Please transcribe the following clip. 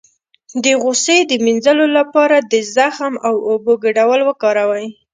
د غوسې د مینځلو لپاره د زغم او اوبو ګډول وکاروئ